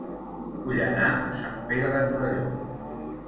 Vull anar a Sant Pere de Torelló